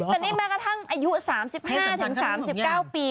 แต่นี่แม้กระทั่งอายุ๓๕๓๙ปี